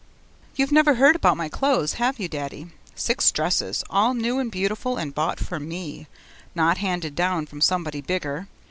You've never heard about my clothes, have you, Daddy? Six dresses, all new and beautiful and bought for me not handed down from somebody bigger.